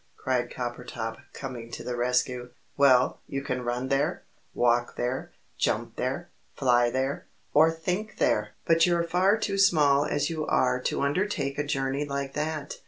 cried Coppertop, coming to the rescue. "Well, you can run there, walk there, jump there, fly there, or think there! But you're far too small as you are to undertake a journey like that.